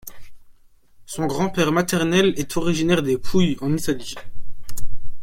Son grand-père maternel est originaire des Pouilles, en Italie.